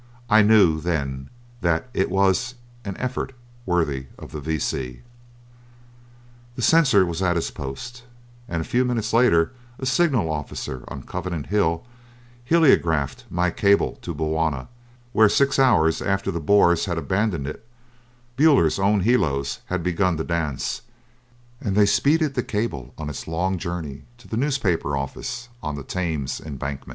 I knew then that it was an effort worthy of the V. C. The censor was at his post, and a few minutes later a signal officer on Convent Hill heliographed my cable to Bulwana, where, six hours after the Boers had abandoned it, Buller's own helios had begun to dance, and they speeded the cable on its long journey to the newspaper office on the Thames Embankment.